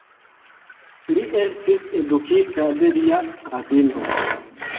Li estis edukita de lia avino.